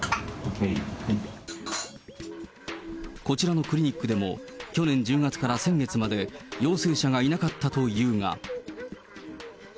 こちらのクリニックでも、去年１０月から先月まで陽性者がいなかったというが。